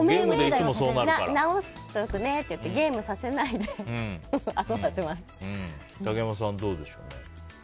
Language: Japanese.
直しとくねって言ってゲームさせないで竹山さんはどうでしょう。